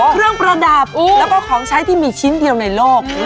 เครื่องประดับแล้วก็ของใช้ที่มีชิ้นเดียวในโลก